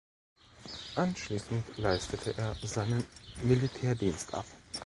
Anschließend leistete er seinen Militärdienst ab.